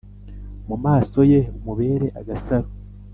Mumaso ye umubere agasaro